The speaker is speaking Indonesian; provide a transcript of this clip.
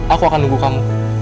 aku akan nunggu kamu